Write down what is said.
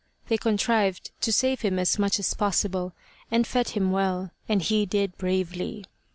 They contrived to save him as much as possible, and fed him well, and he did bravely.